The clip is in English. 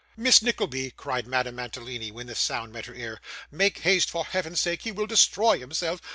'Miss Nickleby,' cried Madame Mantalini, when this sound met her ear, 'make haste, for Heaven's sake, he will destroy himself!